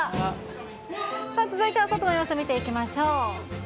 さあ、続いては外の様子見ていきましょう。